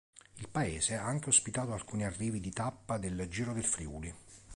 Il paese ha anche ospitato alcuni arrivi di tappa del Giro del Friuli.